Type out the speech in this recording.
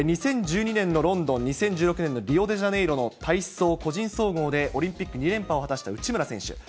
２０１２年のロンドン、２０１６年のリオデジャネイロの体操個人総合でオリンピック２連覇を果たした内村選手。